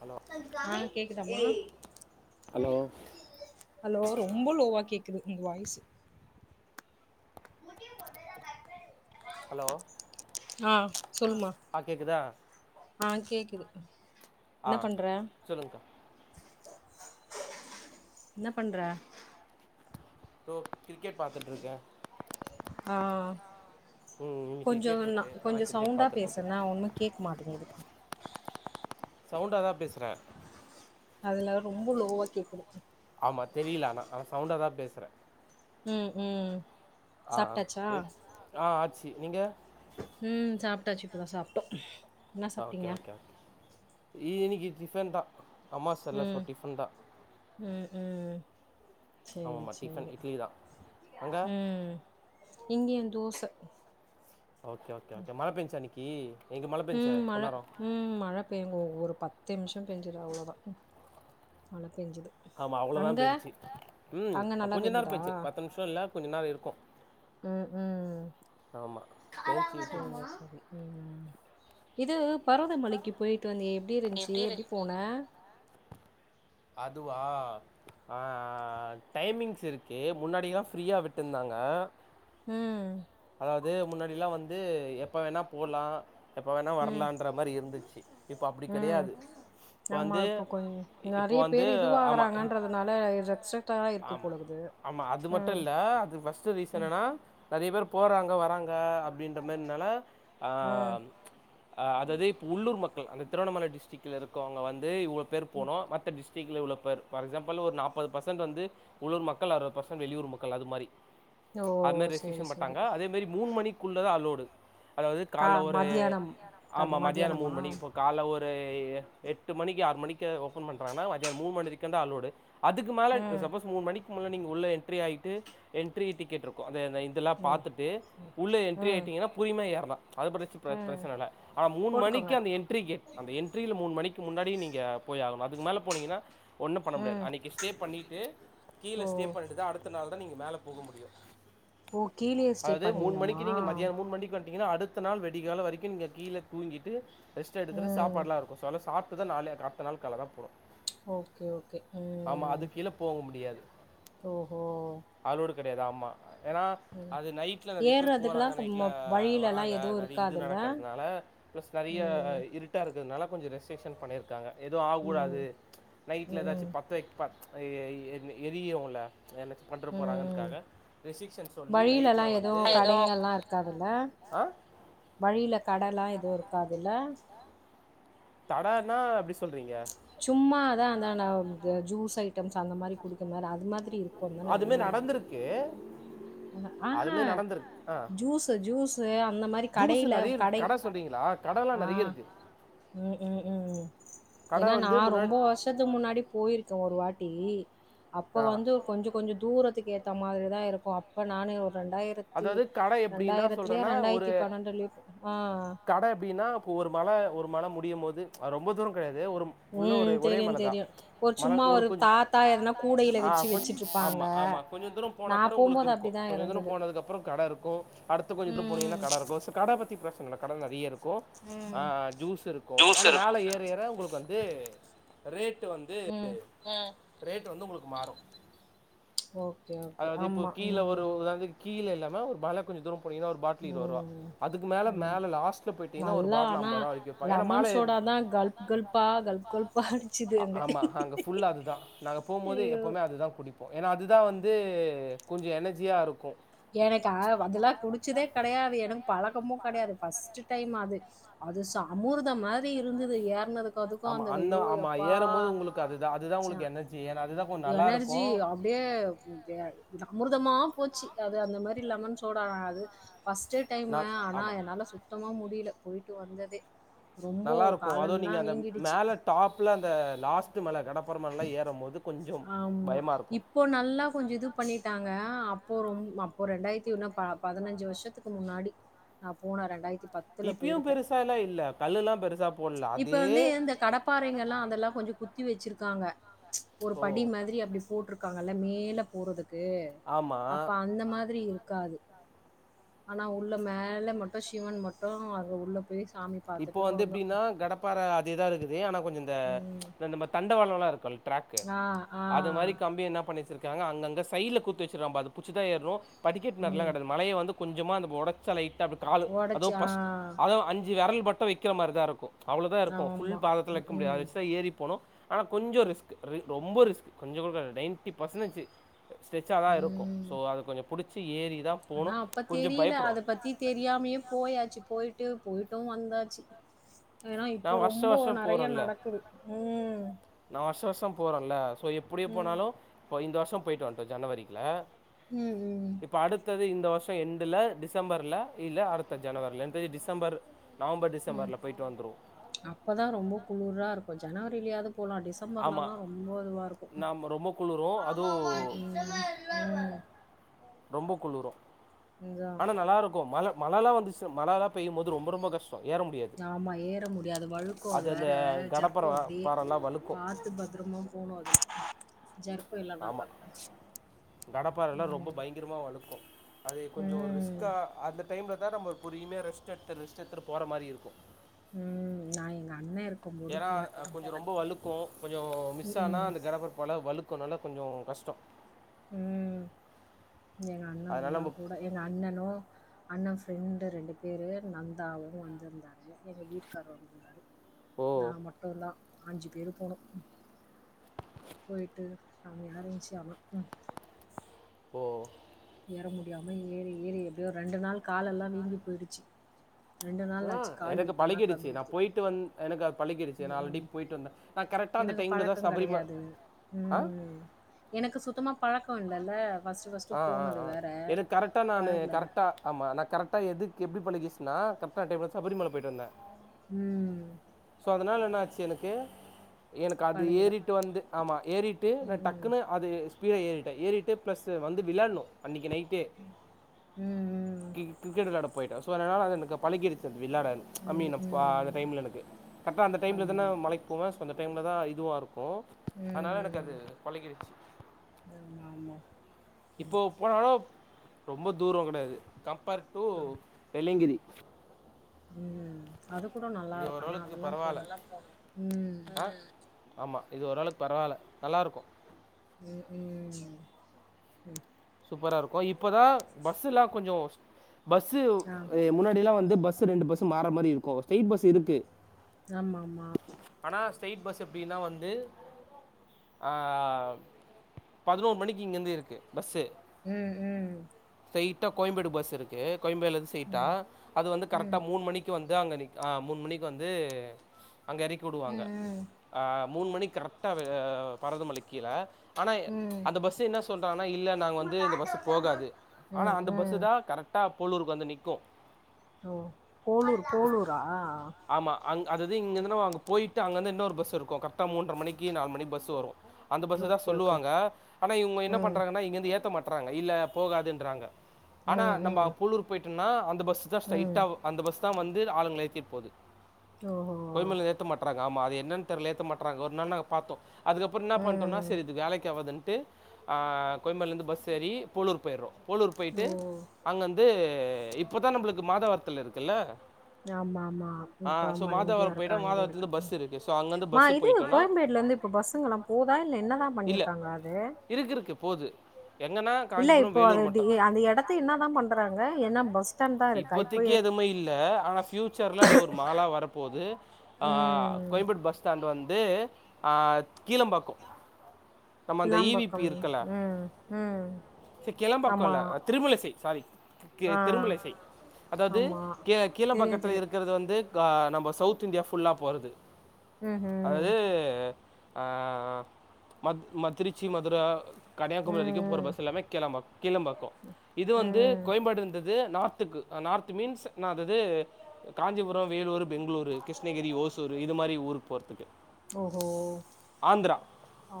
Hello ஆ கேக்குதாமா hello hello ரொம்ப லோவா கேக் குது உங்க வாய்சு ஹலோ ஆ சொல்லுமா ஆ கேக்குதா ஆ கேக்குது ஆ என்ன பண்ற சொல்லுங்க்கா என்ன பண்ற டோ கிரிக்கெட் பாத்துட்ருக்கே ஆ ம் இன்னைக்கு கொஞ்சோ கிரிக்கெட் ந இருக்கு அதனால கொஞ்சோ கிரிக்கெட் சவுண்டா பாத்துட்ருக்கே பேசுன்ன ஒண்ணு கேட்க மாட்டேங்குது சவுண்டா தா பேசுறே அதுல ரொம்ப லோவா கேக்குது ஆமா தெரியல ஆனா ஆ சவுண்டா தா பேசுறே ம் ம் ஆ சாப்ட்டாச்சா வெயிட் ஆ ஆச்சி நீங்க ம் சாப்ட்டாச்சி இப்பதா சாப்ட்டோ என்ன ஆ ஓகே சாப்ட்டீங்க ஓகே ஓகே இன்னிக்கி டிஃபன் தா அம்மா செல்ல ஸோ ம் டிபன் தா ம் ம் சேரி ஆமாம்மா டிஃபன் சேரி இட்லி தா அங்க ம் இங்கயா தோச ஓகே ஓகே ஓகே மழ பேஞ்ச்சா இன்னக்கி ம் மழ ம் மழ பெய்ங்க ஒவ்வொரு பத்து நிமிஷோ பெஞ்சது அவ்ளோ தா மழ பெஞ்சுது ஆமா அவ்ளோதா அங்க பேஞ்ச்சி ம் அங்க நல்லா கொஞ்ச நேரோ பெஞ்சுதா பேஞ்ச்சி பத்து நிமிஷோ இல்ல கொஞ்ச நேரோ இருக்கு ம் ம் ஆமா பேஞ்ச்சி விட்டுச்சி சேரி சேரி இது பருவதமலைக்கு போயிட்டு வந்தியே எப்டி இருந்ச்சி எப்டி போன அதுவா ஆ டைமிங்ஸ் இருக்கு முன்னாடில்லா ஃரீயா விட்டுருந்தாங் க ம் அது முன்னாடில்லா வந்து எப் எப்ப வேணா போலா எப்ப வேணா ம் வரலான்ற மாரி இருந்துச்சு இப்ப அப்டி கெடையாது இப்ப வந் ஆ இப்போ கொஞ்ச நறைய பேரு ஆமா இதுவாகறாங்கன்றதுனால இ எக்ஸ்ட்ரக்ட தா இருக்கு ஆமா போலகுது ஆமா அது மட்டும் ம் இல்ல அது ஃபர்ஸ்ட் ரீசன் ம் என்னனா நெறைய பேர் போறாங்க வராங் க அப்டின்ற மாரி என்னால ம் அதாவது இப்ப உள்ளூர் மக்கள் அந்த திருவண்ணாமலை டிஸ்டிக் இருக்கவங்க வந்து இவ்வளோ பேர் போனோ மத் டிஸ்டிக்ல இவ்ளோ பேர் பார் எக்ஸாம்பிள் ஒரு நாற்பது பர்சன்ட் வந்து உள்ளுர் மக்கள் அறுபது பர்சன் வெளியுர் மக்கள் அது மாரி ஓ அது மாரி சேரி ரெஸஷன் சேரி மாட்டாங்க அதே மாரி மூணு மணிக்குள்ளதா அலோடு அதாவது கா காலை ஒரு மதியானம் க ஆமா மத்தியான மூணு மதியானமா மணிக்கு இப்போ கால ஒரு எட்டு மணிக்கு ஆறு மணிக்கு ஓபன் பண்றானா மத்யான மூணு மணி வரைக்குந்தா அலோடு அதுக்கு மேல ம் சப்போஸ் மூணு மணிக்கு முன்ன நீங்க உள்ள என்ட்ரி ஆய்ட்டு என்ட்ரி டிக்கெட் இருக்கு அந்த இதெல்லா ம் பாத்துட்டு உள்ள என்ட்ரி ம் ஆயிட்டீங்கன்னா பூரிம ஏறலா அது பத்தி பிரச்ச ம் பிரச்ன இல்ல ஆ மூணு மணிக்கு போட்டுக்கோங்க அந்த என்ட்ரி கேட் அந்த என்டரில மூணு மணிக்கு முன்னாடி நீங்க போய்யாகணு அதுக்கு மேல போனீங்கன்னா ஒன்னு பண்ண முடியாது ம் அன்னைக்கு ஸ்டே பண்ணிட்டு கீழ ஓ ஸ்டே பண்ணிட்டுதா அடுத்த நாள் தான் நீங்க மேல போக முடியு ஓ கீழயே ஸ்டே அதாவது மூணு பண்ணிணுமா மணிக்கு நீங்க மத்தானம் மூணு மணிக்கு வந் திங்கன்னா அடுத்த நாள் விடிகால வரைக்கு நீங்க கீழ தூங்கிட்டு ரெஸ்ட் எடுத்துட்டு ம் சாப்பாடுலா இருக்கு சோ அத சாப் த நாளே காத்த நாள் கலக ஓகே ஓகே ஆமா. ம் அதுக்கு கீழ போக முடியாது. ஓஹோ கெடையாது ஆம்மா ஏன்னா ம் அது நைட்ல நெறைய பேர் ஏறுறதுக்குலா போறாங்க நைட்ல ம வழியிலலா வராங்க எதுவு நெறைய் இது இருக்காதுல்ல நடக்கறதுனால பிளஸ் நெறைய ம் இருட்டா இருக்குறனால கொஞ்ச ரெஸ்ட்ரேஷன் பண்ணியிருக்காங்க எதுவு ஆக ம் கூடது நைட்ல ம் ஏதாச்சு ம் பத்தவைக் ப எ எ எரிய்யுல என்ன பண்ற போறாங்கன்னுக்காக வழியிலல்லா எதுவு கடைங்கல்லா இருக்காதுல்ல ஆ வழியில கடலா எதுவு இருக்காதுல்ல தடனா அப்டி சொல்றீங்க சும்மா தானா அந்த ஜூஸ் ஐட்டம்ஸ் அந்த மாரி குடிக்க மாரி அது மாரி அதுமே நடந்திருக்கு அஹ, ஆஹ. அதுமே நடந்திருக்கு ஆ ஜூஸு ஜூஸு அந்த மாரி ஜூஸ் கடையில நெறைய இருக்கு கடை கட சொல்றீங்களா க டலா ஆ. நெறைய இருக்கு ம் ம் ம் ம் கடை ஏன்னா நா வந்து முன்னாடி ரொம்ப வருஷத்துக்கு முன்னாடி போயிருக்கே ஒரு வாட் அப்ப ஆ வந்து கொஞ்ச கொஞ்ச தூரத்துக்கு ஏத்த மாதிரிதா இருக்கு அப்ப நானே ஒரு ரெண்டாயிரத்தி அதாவது கடை எப்படின்னா ரெண்டாயிரத்துலயா சொல்றேன்னா ஒரு ரெண்டாயிரத்தி பன்னெண்டுலயோ ஆ கடை எப்படின்னா இப்போ ஒரு மல ஒரு மல முடியும்போது அது ரொம்ப தூர கெடையாது து ஒரு உள்ள ஒரு ம். ஒரே தெரியும், மலதா தெரியும். மல சும்மா ஒரு கொஞ்ச தாத்தா எதனா கூடையில ஆ வச்சு கொஞ்ச வச்சுட்டுருப்பாங்க. ஆமா ஆமா கொஞ்ச தூர நான் போனப்புற உங்களுக்கு போம்போது இருக்கு அப்படிதான் கொஞ்ச தூர இருந்தது. போனதுக்கு அ அப்புற கட இருக்கு அடுத்து கொஞ்சட்டு ம், போனீங்கன்னா கட இருக்கு சோ கட பத்தி பிரச்சனை கட நெறைய இருக்கு இரு ம், ம். ஜூஸ் இருக்கு ஜூஸ் ஆனா இருக் மேல ஏற ஏற உங்களுக்கு வந்து ரேட் டு வந்து ம். ரேட் வந்து உங்களுக்கு மாறு ஓக் அதாவது இப்போ கீழ ஒரு வது கீழ இல்லாம ஒரு மல கொஞ்ச தூர போனீங்கன்னா ஒரு பாட்டிலு இருப ரூா ம். அதுக்கு மேல ஆமா. மேல லாஸ்ட்ல போயிட்டீங்கன்னா ஒரு நல்லா பாட்டில் ஆனா ஐம்பது ரூபா வரைக்கு விப்பாங்க ஏன மேல லெமன் சோடா தான் கல்ப் கல்ப்பா, கல்ப் கல்ப்பா அடிச்சுது அங்க. ஆமா அங்க புல்ல அதுதா நாங்க போகும்போது ஐயோ! எப்பவுமே அது தா குடிப்போ ஏன்னா அதுதா வந்து கொஞ்ச எனர்ஜியா இருக்கு எனக்கு அது அதெல்லா குடிச்சதே கெடையாது எனக்கு பழக்கமு கெடையாது பஸ்ட்டு டைம் அது அது ச அமுர்த மாதிரி இருந்தது ஏறனதுக்கு கதுக்கு ஆமா அந்த அய்யோ ஆமா எப்பா ஏறும் போது உங்களுக்கு அதுதா அதுதா உங்களுக்கு ச எனர்ஜி ஏன்னா அதுதா கொஞ்ச நல்லா இருக்கு எனர்ஜி அப்டியே [unintelligible] அமுர்தமா போச்சு அது அந்த மாரி லெமன் சோடா அது ஃர்ஸ்ட்டு ந டைமு ஆனா ஆமா என்னால சுத்தமா முடியல போய்ட்டு வந்ததே ரொம்ப நல்லாருக்கு அது நீங்க காலெல்லாம் அந்த வீங்கிடுச்சு. மேல டாப்ல அந்த லாஸ்ட்டு மேல கடப்பற மேலலா ஏறும் போது கொஞ்சம் ஆமா பயமா இருக்கு இப்போ நல்லா கொஞ்ச இது பண்ணிட்டாங்க அப் இப்போ ரொ அப்போ ரெண்டாயிரத்தி ஒன்ன ப பதினஞ்சு வருஷத்துக்கு முன்னாடி நா போனே ரெண்டாயிரத்தி பத்துல இப்பயும் போயிருப்பே பெருசாலாம் இல்ல கல்லுலாம் பெருசா போடல இப்ப அதே வந்து இந்த கடப்பாறைங்கல்லா அதெல்லா கொஞ்ச குத்தி வச்சிருக்காங்க ஒரு ஓ படி மாதிரி அப்படி போட்டிருக்காங்கல்ல மேல போறதுக் கு ஆமா அப்ப அந்த மாதிரி இருக்காது ஆனா உள்ள மேல மட்டு சிவன் மட்டு அது உள்ள போய் சாமி இப்போ பாத்துட்டு வந்து வந்தோம். எப்படின்னா கடப்பாறை அதுேதா இருக்குது ஆனா கொஞ்ச இந்த ம். நம்ம தண்டவாளல்லா இரு ட்ராகக்கு ஆ, ஆ. அது மாரி கம்பி என்னா பண்ணிச்சிருக்கு ங்க அங்கங்க சைட்ல குத்து வச்சுறாம்பா அத புச்சுதா படிக்கட்டுலா ம். கெடையது மலய வந்து கொஞ்சமா அந்த ஒடச்ச லைட்டா அப்டி காலு அதவு ஒடச்சு ஆ. பஸ்ட் அத அஞ்சு வெரல் பட்ட வைக்கிற மாரி தா இருக்கு அவ்ளோதா இருக்கு ஃபுல் ஆமா. பாதத்தில வைக்க முடியாது ம். வச்சுதா ஏறி போனு ஆனா கொஞ்ச ரிஸ்க் ரி ரொம்ப ரிஸ்க் கொஞ்ச கொ நைன்டி பர்சேஞ்சு ஸ்டெச்சாக தா இருக்கு ஸோ அது கொஞ்ச பிடிச்சி ஏறி தான் அதா போகணும் அப்ப கொஞ்சம் தெரியல பயப்படுவோம் அத பத்தி தெரியாமயே போயாச்சு போயிட்டு போயிட்டு வந்தாச்சு ஏன்னா இப்போ நான் ரொம்ப வருஷம் வருஷம் நெறைய நடக்குது ம் நா வருஷ வருஷ போறேன்ல சோ எப்படியே ம். போனாலு இப்ப இந்த வருஷ போயிட்டு வந்தே ஜனவரில ம், ம், இப்ப அடுத்தது இந் த வருஷ எண்டுல டிசம்பர்ல இல்ல அடுத்த ஜனவரில இந்த டிச ம் அப்பதா ரொம்ப குளுர்ரா இருக்கு ஜனவரிலயாது போலா ஆமாம் டிசம்பர்லலா ரொம்போ இதுவாருக்கு நாம் ரொம்ப குளிரும் ஆமா ஆமா அதுவும் டிசமா இல்ல ரொம்ப குளிரு ஆனா நல்லாருக்கு மழ மழல்லா வந்துச்ச மலலா பெய்யும் போது ரொம்ப ரொம்ப கஷ் ஆமா ஏற முடியாது அது வழுக்கோ அது அந்த வேற ஜற்கோ கடப்பாறை அப்டி பாறைலாம் வழுக்கும் பாத்து பத்ரமா போனு அ ஜர் போயலனாக்கா ஆமாம் கடப்பாறைலாம் ரொம்ப ம் பயங்கரமாக வழுக்கும் அது கொஞ்ச ஒரு ம். ரிஸ்க்கா அந்த டைம்ல் தா நம்ம ஒரு புரியுமே ரெஸ்ட் எடுத்து ரிஸ்ட் எத்துட்டு போறமாரி இருக்கு ம் நா எங்க அண்ண இருக் ஏன்னா அ கொஞ் ரொம்ப வலுக் கு கொஞ்ச மிஸ் ம். ஆனா ம். அந்த கெடப்பருப்பால வலுக்குனால கொஞ்ச கஷ்ட ம் எங்க அண்ண அதனால வந்தா நம்ம கூட எங்க அண்ணனு அண்ணன் ஃப்ரெண்டு ரெண்டு பேர் நந்தாவு வந்துருந்தாரு எங்கள வீட்டுக்கார வந்திருந்தாரு ஓ நா மட்டுந்தா அஞ்சு பேரு போனோ போய்ட்டு சாமி ஆர [unintelligible] ம் ஓ ஏற முடியாம ஏறி ஏறி எப்படியோ ரெண்டு நாள் கால்லெல்லா வீங்கி போயிடுச்சு நாள் ஆ ஆச்சு கால் எனக்கு வீக்கம்லாம் பழகிடுச்சு நா கம்மியாறது. போய்ட்டு வந்து எனக்குது பழகிடுச்சு நா ஆல்ரெடி ம். போய்ட்டு வந்தே நா கரெக்டா அந்த எனக்கு டைம்ல தா பழக்க சபரிம கெடையாது ஆ ம் எனக்கு சுத்தமா பழக்க இல்லல்ல ஃபர்ஸ்ட்டு, ஆ ஃபர்ஸ்ட்டு ஆ போனது ஆ வேற. எதுக்கு கரெக்டான ஆளு பழகல. கரெக்டா ஆமா நா கரெக்டா எது எப்டி பழகிச்சுனா கர்ட டைம்ல சபரிமல போய்ட்டு வந்தே ம் இப்ப அதனால என்னாச்சு எனக்கு எனக்கு அது பழகிடு ஏறிட்டு வந்து ஆமா ஏறிட்டு நா ம் டக்குன்னு அது கீழ ஏறிட்ட ஏறிட்டு பிளஸ் வந்து விளணு அன்னைக்கு நைட் கு ம் ம் கிரிக் கிரிக்கெட் விளையாட போயிட்டே சோ அதனலே பழகியிருக்கு விளாட ஜ ம் மீன் ம் அந்த டைம்ல எனக்கு கரெக்டா அந்த டைம்ல தான ஆமா மலைக்கு போவே அந்த டைம்ல தா இதுவா இருக்கு அதனால எனக்கு ம் அது பழகிறிச்சி ஆமா ஆமா இப்போ போனாலு ரொம்ப தூர கெடையாது கம்பேர் டு ஆ வெள்ளைய்ங்கிரி ம் அது கூட இது நல்லாருக்கு ஆனா ஓரளவுக்கு அதெல்லா போணு பரவாயில்ல ம் ஆமா இது ஓரளவுக்கு பரவால்ல நல்லாருக்கு ம் ம் ம் சூப்பராருக்கு இப்பதா பஸ்ல்லா கொஞ்ச பஸ் ஆ அ முன்னாடில்லா வந்து பஸ் ரெண்டு பஸ் மாற மாருக்கு ஸ்ட்ரைட் பஸ் இருக்கு ஆமா ஆமா ஸ்ட்ரைட் பஸ் எப்டின்னா வந்து ஆ ஆ பதினோரு மணிக்கு இங்கருந்து இருக்கு பஸ்சு ம் ம் ஸ்ட்ரைட்டா கோயம்பேடு பஸ்சுருக்கு கோயம்பேட்லுருந்து ஸ்ட்ரைட்டா ம் அது வந்து கரெக்டா ம் மூணு மணிக்கு வந்து அதா அங்க நிக்கு ஆ மூணு மணிக்கு வந்து அங்க எ றக்கி ம் விடுவாங்க ம் ஆப் மூணு மணி கரெக்டா ஆ பரதமலைக்கு கீழ ஆனா ம் அந்த பஸ் என்னா சொல்றாங்க இல்ல நாங்க வந்து இந்த பஸ் போகாது ஆனா ம் அந்த பஸ்சு ம். தா கரெக்டா போலூருக்கு வந்து நிக்கு ஓ போலூர் போலூரா ஆமா அங் அதது இங்கருந்து நம்ம அங்க போயிட் டு அங்கருந்து இன்னொரு பஸ் இருக்கு கரெட்டா மூன்றர மணிக்கு நாலு மணிக் பஸு வரு அந்த பஸு தா ஓகே ஓகே சொல்லுவாங்க ஆனா இவுங்க என்ன ம் பண்றாங்கனா இங்கந்து ஏத்த மாட் றாங்க இல்ல போகாதுன்றாங்க ஆனா ம் நம்ம ம் புளூர் போயிட்டனா அந்த ப ஸு தா ம் ஸ்ட்ரைட்டா ஒ அந்த பஸ்ஸு தா வந்து ஆளுங்கள ஏத்திட் போது ஓ ஹோ கொய்மல ஏத்த மாட்றாங்க. ஆமா அது என்னென் தெர்ல ஏத்த மாட்றா ஒரு நாள் நாங்க பாத்தோ அதுக்கப்றோ என்னா பண்ட்டோனா ம். செரி இது வேலைக் ஆவாதுன் ட்டு ஆ கோயம்பேட்லருந்து பஸ் ஏறி போலூர் போய்றோ போலூர் போய்ட்டு ஓ! அங்கந்த் இது இப்பதா நம்பளுக்கு மாத வாரத்ல இருக்குல்ல ஆமா ஆமா ஆ இப்ப ஸோ ஆமா இங்கயு மாதவரம் இருக்கு போயிட்டா அங்கயு மாதவரத்துலேருந்து இருக்கு பஸ் ஸோ அங்கேருந்து மா பஸ்ஸு இது போயிட்டோன்னா கோயம்பேட்ல ர்ந்து இப்ப பஸ்ஸுங்லா போதா இல்ல என்னதா இல்ல பண்ணிருக்காங்க அது எங்கனா காஞ்சிபுர வேலூர் மட் ஏ அந்த எடத்த என்னா தா பண்டறாங்க ஏனா பஸ் ஸ்டாண்ட் தா இருக்கா இப்போ எ க்ளா அது ஒரு மாலா வரப்போது ஆ ம். கோயேம்பேட் பஸ் ஸ்டாண்ட் வந்த் து ஆ கீழம்பாக்கோ நம்ம அந்த இ வி பி கிளாம்பாக்கம். இருக்கல்ல ம், ம். கிளம்ப ஆமா. கொல திருமலிசை சாரி கே ஆ. திருமலிசை அதாவ்து ஆமா. கே தெரியும், கீழம்பாக்கத்ல தெரியும். இருக்கிறது வந்து க நம்ப சவுத் இந்தியா ஃபுல்லா போறது ம்ஹ்ம். அதாவது ஆ மத் ம திருச்சி மதுர கன்னியாகுமரி வரிக்கு போற ம், ம். பஸ் எல்லாமே கேழப்பாக்கோ கீழப்பாக்கோ இது வந்து ம். கோயம்பேடு இருந்தது நார்த் துக்கு அ நார்த் மீன்ஸ் என்னா திது காஞ்சிபுரோ வேலூரு பெங்களூரு கிருஷ்ணகிரி ஓசூர் இது மாரி ஊர்க் போறதுக்கு ஓஹோ! ஆந்த்ரா ஓ!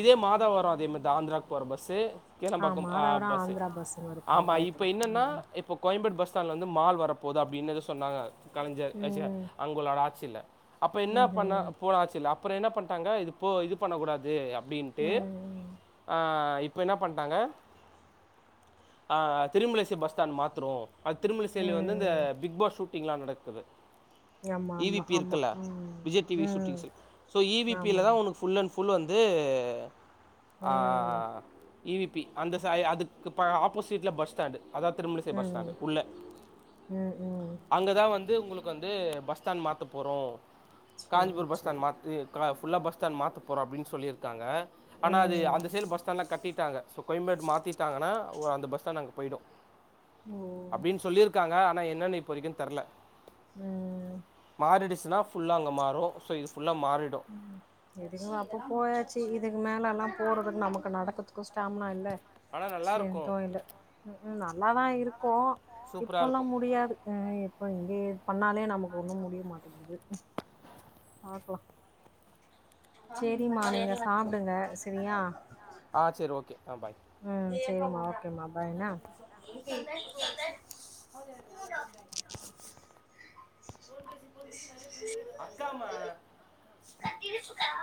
இதே மாத் த வரு அதே மார்தா ஆந்த்ராக்கு போற பஸ்சு கேளம்பாக்கோ ஆமா. ஆ அது அப்புறம் பஸ்ஸு ஆந்திரா பஸ்ஸுங்க இருக்கும். ஆமா கரெக்ட்டு இப்ப தான். என்னென்னா ம், ம். இப்ப கோயம்பேடு பஸ் பஸ் ஸ்டாண்ட்ல இருந்து மால் வரப்போது அப்டின் எதோ சொன்னாங்க கலைஞர் ஆ ச்சே ம். அவுங்களோட ஆட்சில அப்ப என்ன பண்ண ம்ஹ்ம். போன ஆட்சிலே அப்றே என்ன பண்ட்டாங்க இது இப்போ இது பண்ண கூடாது அப்டின்ட்டு ம். ஆ இப்போ என்ன பண்ட்டாங்க ஆ திருமலிசை பஸ் ஸ்டாண்ட் மாத்ரோ அத் திருமலிசைல வந்து இந்த ம். பிக் பாஸ் ஷூட்டிங் எல்லா நடக்குது ஆமா, இ வி ஆமா, பி ஆமா. இருக்குல்ல ம். விஜய் டிவி சூட்டிங் ம். சு சோ இ வி பி ல தா ஆமாமா. உனக்கு ஃபுல் அண்ட் ஃபுல் வந்த் து ஆ ம். இ வி பி அய் அதுக்கு ப ஆப்போசிட்ல பஸ் ஸ்டாண்டு அதா திருமலிசை பஸ் ம். ஸ்டாண்ட் உள்ள ம், ம். அங்கதா வந்த் து உங்களுக்கு வந்து பஸ் ஸ்டாண்ட் மாத்த போறோ சரி, காஞ்சிபூர் பஸ் ஸ்டாண்ட் சரி. மாத்தி கிராப் ஃபுல்லா பஸ் ஸ்டாண்ட் மாத்த போறோ அப்பின் சொல்லிர்க்காங்க ஆனா அது ம். அந்த சேல் பஸ்டாண்ட்ல கட்டிட்டாங்க சோ கோயம்பேடு மாத்திட்டாங்கனா ஒ அந்த பஸ் ஸ்டாண்ட் அங்க போயிடு ஓ! அப்டின் சொல்லிர்க்காங்க ஆனா என்னென்னு இப்ப வரைக்கு தெர்ல ம். மாறிடுச்னா ஃபுல்லா அங்க மாரு சோ இது ஃபுல்லாக மாறிடும் எதுக்மே அப்ப போயச்சி இதுக்கு மேலெல்லா போட்றதுக்கு நமக்கு நடக்கதுக்கு ஸ்டாமினா இல்ல ஆனா நல்லா இருக்கு ம் ம் நல்லாதா இருக்கு சூப்பரா இப்பெல்லா இருக்கும் முடியாது ஆ இப்போ இங்கே இது பண்ணாலே நமக்கு ஒண்ணு முடிய மாட்டேங்கிது பாக்கலா செரிமா நீங்க சாப்டுங்க செரியா ஆ சரி ஓகே ஆ பாய் ம் செரிம்மா ஓகேமா பாய் என்னா ா அக்கமா கத்திருப்புக்கா